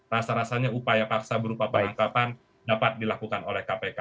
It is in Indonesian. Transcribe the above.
rasa rasanya upaya paksa berupa penangkapan dapat dilakukan oleh kpk